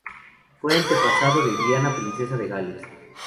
Fue antepasado de Diana, princesa de Gales.